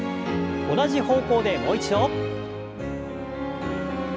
同じ方向でもう一度。